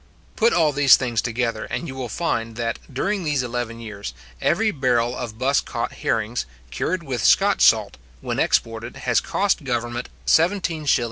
Put all these things together, and you will find that, during these eleven years, every barrel of buss caught herrings, cured with Scotch salt, when exported, has cost government 17s:11¾d.